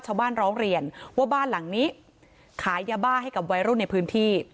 ชาวบ้านร้องเรียนว่าบ้านหลังนี้ขายยาบ้าให้กับวัยรุ่นในพื้นที่